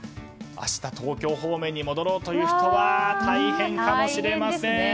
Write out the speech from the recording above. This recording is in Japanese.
明日、東京方面に戻ろうという人は大変かもしれません。